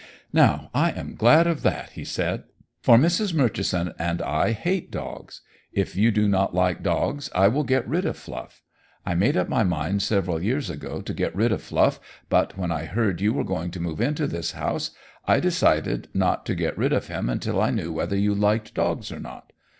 "Now, I am glad of that," he said, "for Mrs. Murchison and I hate dogs. If you do not like dogs, I will get rid of Fluff. I made up my mind several years ago to get rid of Fluff, but when I heard you were going to move into this house, I decided not to get rid of him until I knew whether you liked dogs or not.